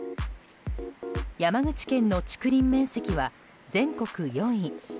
山口県の竹林面積は全国４位。